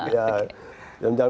dari luar asal